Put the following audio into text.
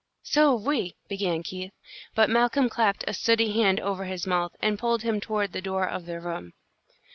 "So have we," began Keith, but Malcolm clapped a sooty hand over his mouth and pulled him toward the door of their room.